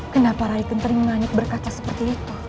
kenapa rai kenterimanik berkata seperti itu